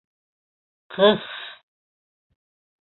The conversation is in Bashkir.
Ҡых!..